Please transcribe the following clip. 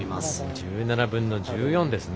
１７分の１４ですね